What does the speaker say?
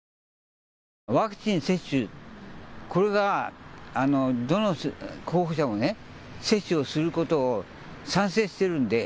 ワクチン接種、これがどの候補者もね、接種をすることを賛成してるんで。